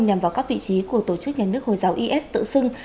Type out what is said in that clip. nhằm vào các vị trí của tổ chức nhà nước hồi giáo is tự xưng